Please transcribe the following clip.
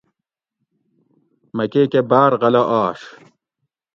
مکے کہ باۤر غلہ آش